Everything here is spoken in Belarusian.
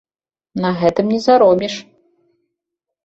На гэтым не заробіш.